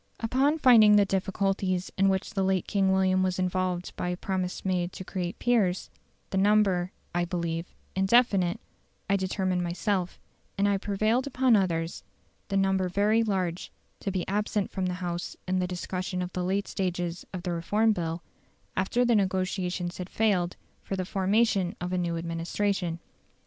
Upon finding the difficulties in which the late King William was involved by a promise made to create peers, the number, I believe, indefinite, I determined myself, and I prevailed upon others, the number very large, to be absent from the House in the discussion of the last stages of the Reform Bill, after the negotiations had failed for the formation of a new administration.